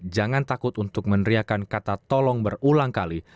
jangan takut untuk meneriakan kata tolong berulang kali